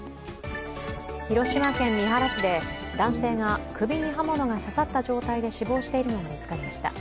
広島県三原市で男性が首に刃物が刺さった状態で死亡しているのが見つかりました。